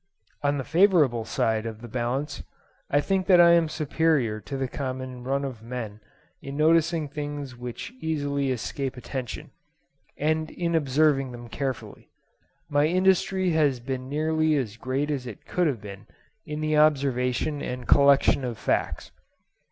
On the favourable side of the balance, I think that I am superior to the common run of men in noticing things which easily escape attention, and in observing them carefully. My industry has been nearly as great as it could have been in the observation and collection of facts.